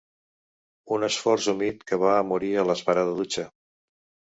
Un esforç humit que va a morir a l'esperada dutxa.